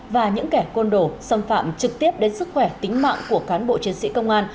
và những kẻ côn đồ xâm phạm trực tiếp đến sức khỏe tính mạng của cán bộ chiến sĩ công an